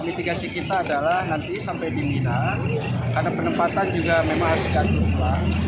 mitigasi kita adalah nanti sampai di mina karena penempatan juga memang harus gantunglah